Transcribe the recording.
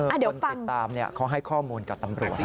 คนติดตามเขาให้ข้อมูลกับตำรวจ